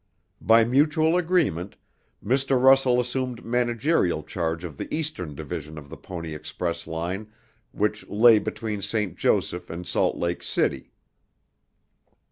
By mutual agreement, Mr. Russell assumed managerial charge of the Eastern Division of the Pony Express line which lay between St. Joseph and Salt Lake City.